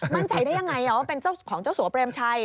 มั่นใจได้ยังไงว่าเป็นเจ้าของเจ้าสัวเปรมชัย